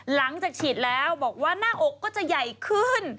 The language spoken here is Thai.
หลังจากฉีดแล้วบอกว่าหน้าอกก็จะใหญ่ขึ้น